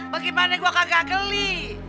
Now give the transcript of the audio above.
bagaimana gua kagak geli